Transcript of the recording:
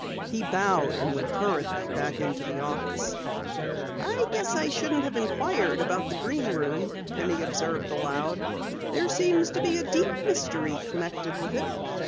He bowed and went hurriedly back into the office. "I guess I shouldn't have inquired about the Green Room," Penny observed aloud. "There seems to be a deep mystery connected with it."